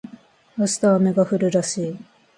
明日は雨が降るらしい